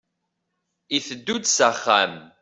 Iteddu-d s axxam.